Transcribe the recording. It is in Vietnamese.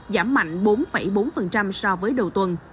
giảm mạnh bốn bốn so với đầu tuần